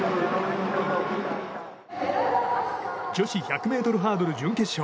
女子１００ｍハードル準決勝。